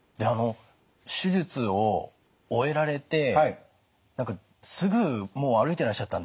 手術を終えられてすぐもう歩いてらっしゃったんですって？